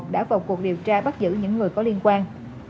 đã vào cuộc điều tra bắt giữ những người có liên quan